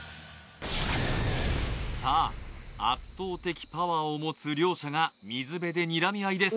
さあ圧倒的パワーを持つ両者が水辺でにらみ合いです